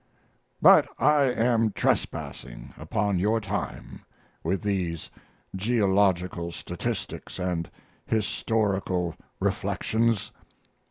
But I am trespassing upon your time with these geological statistics and historical reflections.